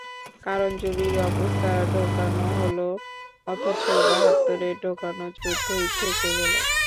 কারণ, জরুরি অবস্থা ঢোকানো হলো, অথচ বাহাত্তরে ঢোকানো যুদ্ধই থেকে গেল।